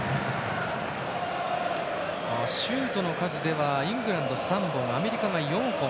シュートの数ではイングランドが３本アメリカが４本。